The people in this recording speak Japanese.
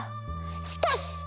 しかし！